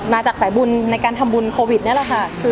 จากสายบุญในการทำบุญโควิดนี่แหละค่ะ